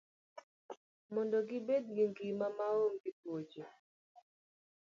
Mondo gibed gi ngima maonge tuoche.